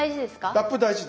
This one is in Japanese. ラップ大事です。